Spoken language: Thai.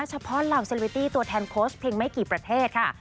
เหล่าเซลวิตี้ตัวแทนโค้ชเพียงไม่กี่ประเทศค่ะ